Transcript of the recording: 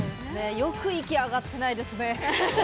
よく息が上がってないですね。